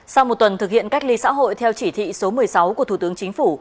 sau một tuần thực hiện cách ly xã hội theo chỉ thị số một mươi sáu của thủ tướng chính phủ